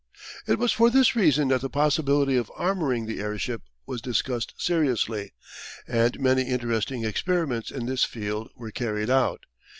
It was for this reason that the possibility of armouring the airship was discussed seriously, and many interesting experiments in this field were carried out.